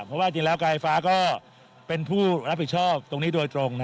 เพราะว่าจริงแล้วการไฟฟ้าก็เป็นผู้รับผิดชอบตรงนี้โดยตรง